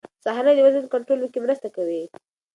سهارنۍ د وزن کنټرول کې مرسته کوي.